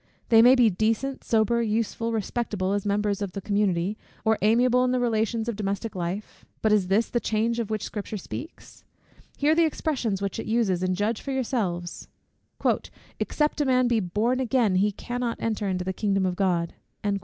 They may be decent, sober, useful, respectable, as members of the community, or amiable in the relations of domestic life. But is this the change of which the Scripture speaks? Hear the expressions which it uses, and judge for yourselves "Except a man be born again, he cannot enter into the kingdom of God."